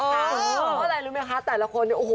เท่าอะไรรู้มั้ยคะแต่ละคนเนี่ย